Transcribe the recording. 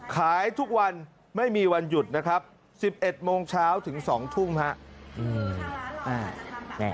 ขายทุกวันไม่มีวันหยุดนะครับ๑๑โมงเช้าถึง๒ทุ่มครับ